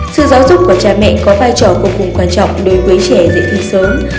sự giáo dục của cha mẹ có vai trò cổ cùng quan trọng đối với trẻ dậy thì sớm